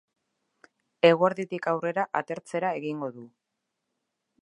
Eguerditik aurrera atertzera egingo du.